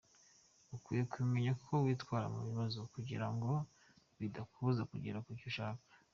Ukwiriye kumenya uko witwara mu bibazo kugira ngo bitakubuza kugera kucyo ushaka.